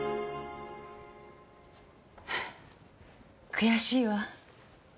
悔しいわ。